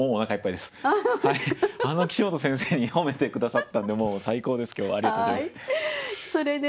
あの岸本先生に褒めて下さったので最高です今日はありがとうございます。